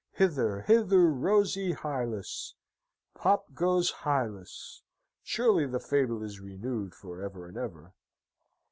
Hither, hither, rosy Hylas!" Pop goes Hylas. (Surely the fable is renewed for ever and ever?)